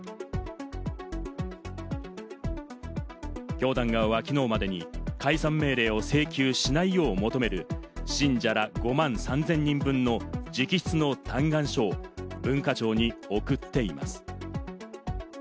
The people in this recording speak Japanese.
教団側は、きのうまでに解散命令を請求しないよう求める、信者ら５万３０００人分の直筆の嘆願書を文化庁に送っています。